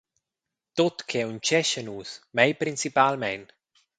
Tut che untgescha nus, mei principalmein.